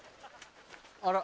あら！